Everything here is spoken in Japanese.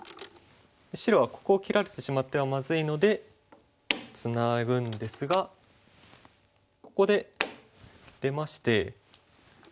白はここを切られてしまってはまずいのでツナぐんですがここで出まして。